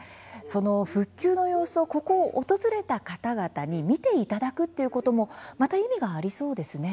その復旧の様子をここを訪れた方々に見ていただくということもまた意味がありそうですね。